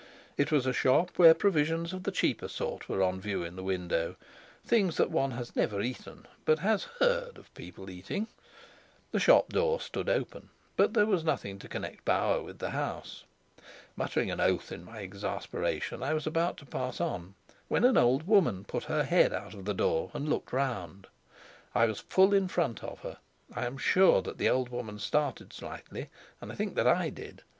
It was a shop where provisions of the cheaper sort were on view in the window, things that one has never eaten but has heard of people eating. The shop door stood open, but there was nothing to connect Bauer with the house. Muttering an oath in my exasperation, I was about to pass on, when an old woman put her head out of the door and looked round. I was full in front of her. I am sure that the old woman started slightly, and I think that I did.